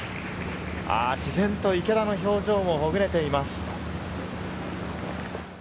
あ、自然と池田の表情もほぐれています。